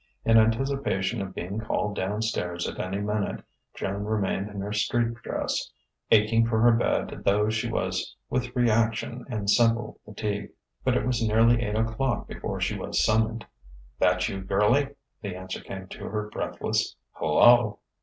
In anticipation of being called down stairs at any minute, Joan remained in her street dress, aching for her bed though she was with reaction and simple fatigue. But it was nearly eight o'clock before she was summoned. "That you, girlie?" the answer came to her breathless "Hello?"